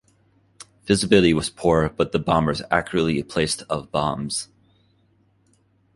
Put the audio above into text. Visibility was poor but the bombers accurately placed of bombs.